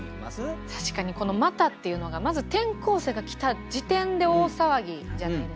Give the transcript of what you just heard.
確かにこの「また」っていうのがまず転校生が来た時点で大騒ぎじゃないですか。